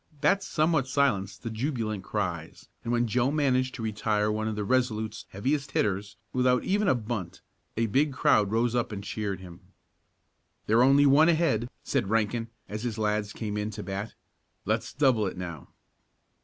That somewhat silenced the jubilant cries and when Joe managed to retire one of the Resolute's heaviest hitters without even a bunt a big crowd rose up and cheered him. "They're only one ahead," said Rankin as his lads came in to bat. "Let's double it now."